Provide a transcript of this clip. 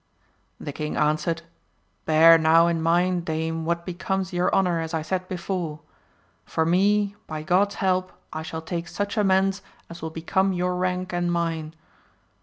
The king answered, Bear now in mind dame what becomes your honour as I said before ! For me, by God's help I shall take such amends as will become your rank and mine.